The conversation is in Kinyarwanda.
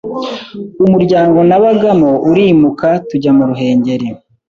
umuryango nabagamo urimuka tujya mu ruhengeri